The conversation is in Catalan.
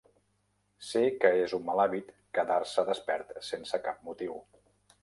Sé que és un mal hàbit quedar-se despert sense cap motiu.